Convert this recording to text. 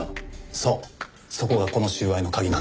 そうそこがこの収賄の鍵なんだ。